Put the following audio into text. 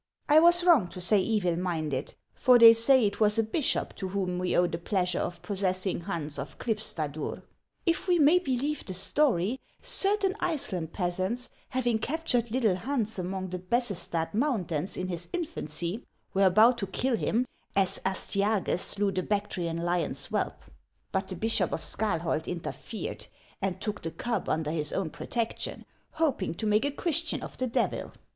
I was wrong to say evil minded, for they say it was a bishop to whom we owe the pleasure of possessing Hans of Klipstadur. If we may believe the story, certain Iceland peasants, having captured little Hans among the Bessestad mountains in his infancy, were about to kill him, as Astyages slew the Bactrian lion's whelp ; but the bishop of Scalholt interfered, and took the cub under his own protection, hoping to make a Christian of the devil.